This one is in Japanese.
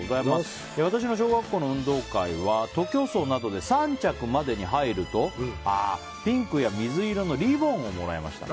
私の小学校の運動会は徒競走などで３着までに入るとピンクや水色のリボンをもらえました。